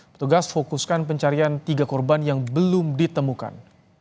petugas fokuskan pencarian tiga korban yang belum ditemukan